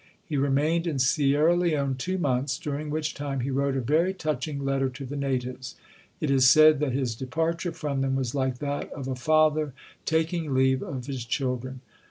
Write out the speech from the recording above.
He remained in Sierra Leone two months, dur ing which time he wrote a very touching letter to the natives. It is said that his departure from them was like that of a father taking leave of his children.